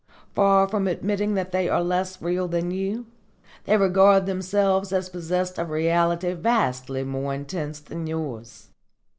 Far from admitting that they are less real than you, they regard themselves as possessed of reality vastly more intense than yours.